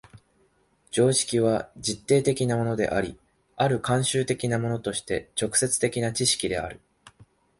常識は実定的なものであり、或る慣習的なものとして直接的な知識である。